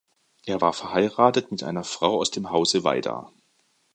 Er war verheiratet mit einer Frau aus dem Hause Weida.